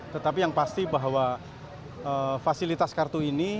tetapi yang pasti bahwa fasilitas kartu ini